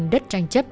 đất tranh chấp